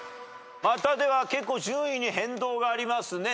またでは結構順位に変動がありますね。